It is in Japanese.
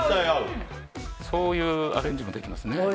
そういうアレンジもできますね。